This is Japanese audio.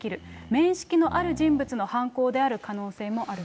面識のある人物の犯行である可能性もあると。